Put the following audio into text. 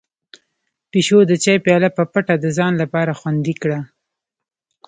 پيشو د چای پياله په پټه د ځان لپاره خوندي کړه.